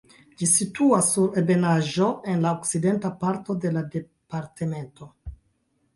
Ĝi situas sur ebenaĵo en la okcidenta parto de la departemento.